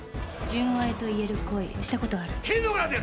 純愛といえる恋したことある？